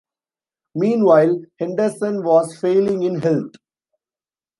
Meanwhile, Henderson was failing in health.